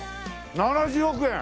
「７０億円」！